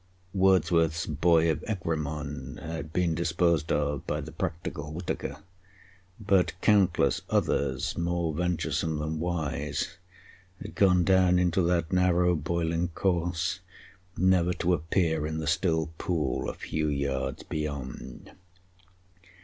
Wordsworth's Boy of Egremond had been disposed of by the practical Whitaker; but countless others, more venturesome than wise, had gone down into that narrow boiling course, never to appear in the still pool a few yards beyond.